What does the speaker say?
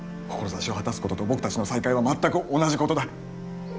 志を果たすことと僕たちの再会は全く同じことだ。